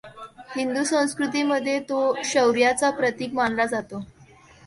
हिंदू संस्कृतीमध्ये तो शौर्याचे प्रतीक मानला जातो.